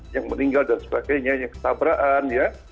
yang meninggal dan sebagainya yang ketabraan ya